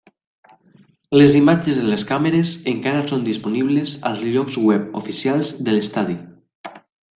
Les imatges de les càmeres encara són disponibles als llocs web oficials de l'estadi.